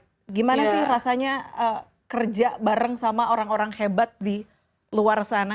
bagaimana rasanya kerja bersama orang orang hebat di luar sana